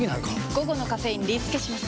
午後のカフェインリスケします！